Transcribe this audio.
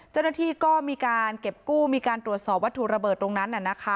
เจ้าหน้าที่ก็มีการเก็บกู้มีการตรวจสอบวัตถุระเบิดตรงนั้น